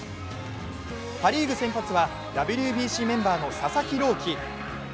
パ・リーグ先発はＷＢＣメンバーの佐々木朗希。